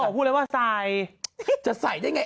เขาออกพูดเลยว่าใส่จะใส่ได้ไง